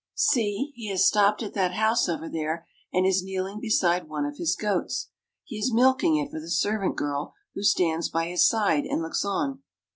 See, he has stopped at that house over there and is kneeling beside one of his goats. He is milking it for the servant girl who stands by his side and looks on.